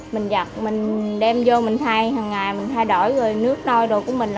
mình giặt mình đem vô mình thay hằng ngày mình thay đổi rồi nước đôi đồ của mình